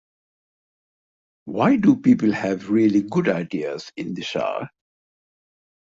Why do people have really good ideas in the shower?